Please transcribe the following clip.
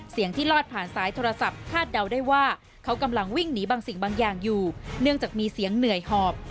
ที่ลอดผ่านสายโทรศัพท์คาดเดาได้ว่าเขากำลังวิ่งหนีบางสิ่งบางอย่างอยู่เนื่องจากมีเสียงเหนื่อยหอบ